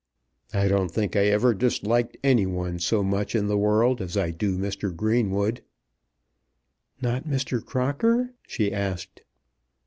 I don't think I ever disliked any one so much in the world as I do Mr. Greenwood." "Not Mr. Crocker?" she asked.